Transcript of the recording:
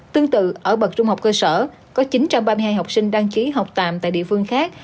tương tự ở bậc trung học cơ sở có chín trăm ba mươi hai học sinh đăng ký học tạm tại địa phương khác